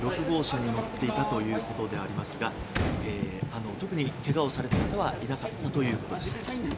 ６号車に乗っていたということですが特にけがをされた方はいなかったということです。